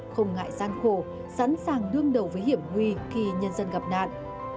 không ngại gian khổ sẵn sàng đương đầu với hiểm nguy khi nhân dân gặp nạn